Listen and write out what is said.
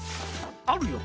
あるよ